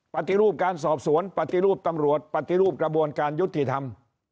ปฏิรูปการสอบสวนปฏิรูปตำรวจปฏิรูปกระบวนการยุติธรรม